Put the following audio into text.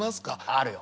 あるよ。